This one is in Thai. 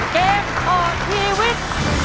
เกมต่อชีวิต